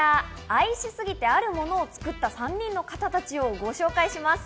愛しすぎて、あるものを作った３人の方たちをご紹介します。